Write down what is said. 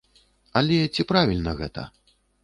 Але ці правільна гэта?